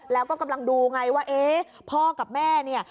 แล้วก็กำลังดูไงว่าเอ๊ะพ่อกับแม่เนี่ย